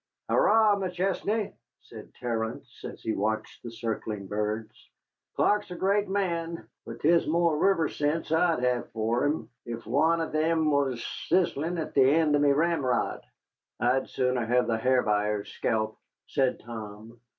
"Arrah, McChesney," said Terence, as he watched the circling birds, "Clark's a great man, but 'tis more riverince I'd have for him if wan av thim was sizzling on the end of me ramrod." "I'd sooner hev the Ha'r Buyer's sculp," said Tom.